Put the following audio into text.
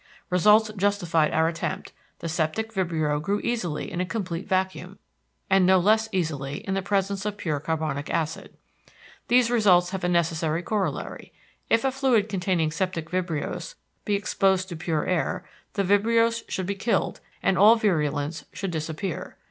Results justified our attempt; the septic vibrio grew easily in a complete vacuum, and no less easily in the presence of pure carbonic acid. These results have a necessary corollary. If a fluid containing septic vibrios be exposed to pure air, the vibrios should be killed and all virulence should disappear.